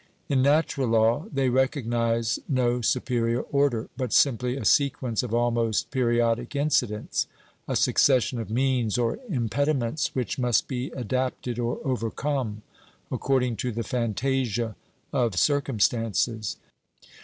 In natural law they recognise no superior order, but simply a sequence of almost periodic incidents, a succession of means or impediments which 376 OBERMANN must be adapted or overcome according to the fantasia of circumstances.